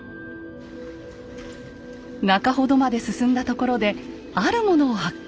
中ほどまで進んだところであるものを発見。